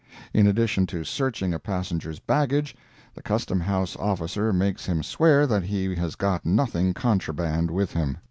In addition to searching a passenger's baggage, the Custom house officer makes him swear that he has got nothing contraband with him.